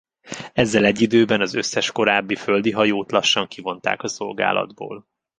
Ezzel egy időben az összes korábbi földi hajót lassan kivonták a szolgálatból.